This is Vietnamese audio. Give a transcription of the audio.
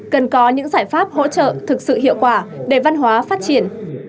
cần có những giải pháp hỗ trợ thực sự hiệu quả để văn hóa phát triển